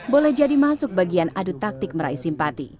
boleh jadi masuk bagian adu taktik meraih simpati